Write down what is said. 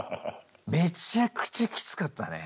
めちゃくちゃきつかったね。